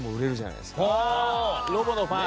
ロボのファン。